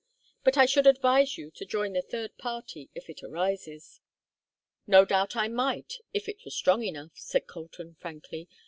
But I should advise you to join the third party if it arises." "No doubt I might, if it were strong enough," said Colton, frankly.